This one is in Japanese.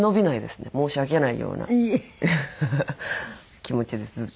申し訳ないようなフフフ気持ちですずっと。